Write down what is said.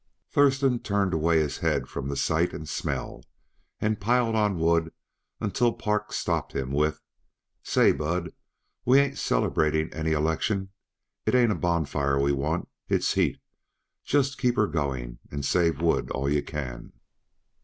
Thurston turned away his head from the sight and the smell, and piled on wood until Park stopped him with. "Say, Bud, we ain't celebrating any election! It ain't a bonfire we want, it's heat; just keep her going and save wood all yuh can."